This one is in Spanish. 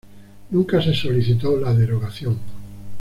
Nunca se solicitó la derogación.